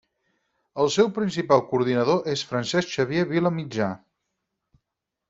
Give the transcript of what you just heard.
El seu principal coordinador és Francesc Xavier Vila Mitjà.